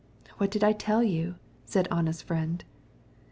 "What did I tell you?" said Anna's friend.